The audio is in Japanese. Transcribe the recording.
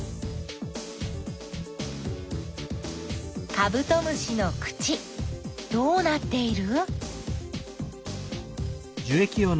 カブトムシの口どうなっている？